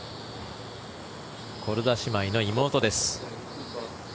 コルダ姉妹の妹です。